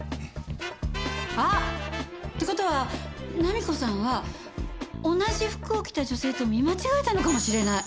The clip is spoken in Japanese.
あっ！って事は菜実子さんは同じ服を着た女性と見間違えたのかもしれない。